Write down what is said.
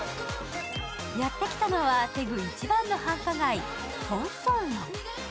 やってきたのはテグ一番の繁華街トンソンロ。